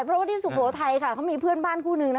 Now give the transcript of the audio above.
เพราะว่าที่สุโขทัยค่ะเขามีเพื่อนบ้านคู่นึง